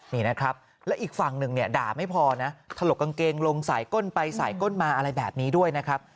นี่นะครับแล้วอีกฝั่งหนึ่งเนี่ยด่าไม่พอนะถลกกางเกงลงสายก้นไปสายก้นมาอะไรแบบนี้ด้วยนะครับ